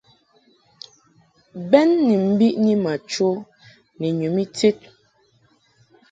Bɛn ni mbiʼni ma chə ni nyum ited.